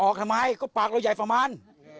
ทำไมก็ปากเราใหญ่ประมาณ